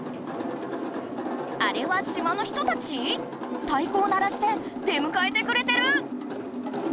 あれは島の人たち⁉たいこを鳴らして出むかえてくれてる！